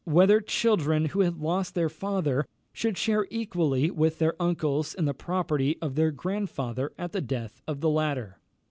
whether grandchildren, who had lost their father, should share equally with their uncles in the property of their grandfather, at the death of the latter.